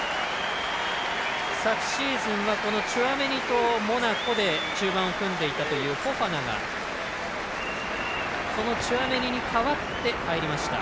昨シーズンはこのチュアメニとモナコで中盤を組んでいたというフォファナがそのチュアメニに代わって入りました。